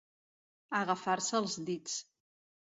Agafar-se els dits.